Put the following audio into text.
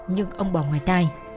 nhưng ông bỏ ngoài tay